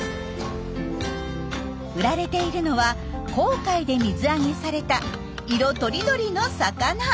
売られているのは紅海で水揚げされた色とりどりの魚。